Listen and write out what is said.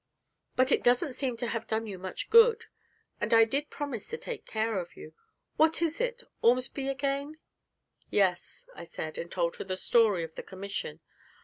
But it doesn't seem to have done you much good, and I did promise to take care of you. What is it? Ormsby again?' 'Yes,' I said, and told her the story of the commission.